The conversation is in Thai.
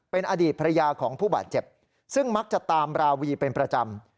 เป็นอดีตภรรยาของผู้บาดเจ็บซึ่งมักจะตามราวีเป็นประจำ